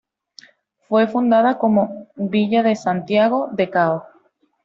Fue fundada como "Villa de Santiago de Cao".